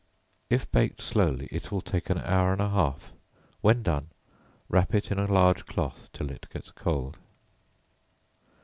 If baked slowly, it will take an hour and a half when done, wrap it in a large cloth till it gets cold.